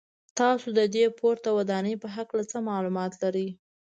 تاسو د دې پورته ودانۍ په هکله څه معلومات لرئ.